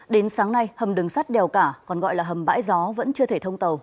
đến sáng nay hầm đường sắt đèo cả còn gọi là hầm bãi gió vẫn chưa thể thông tàu